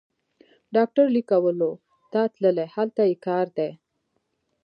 ډاکټر لېک کومو ته تللی، هلته یې کار دی.